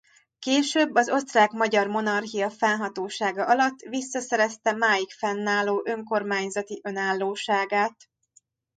Később az Osztrák–Magyar Monarchia fennhatósága alatt visszaszerezte máig fennálló önkormányzati önállóságát.